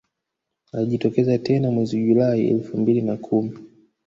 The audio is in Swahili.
Alijitokeza tena mwezi Julai elfu mbili na kumi